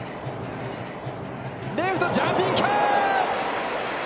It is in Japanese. レフト、ジャンピングキャッチ！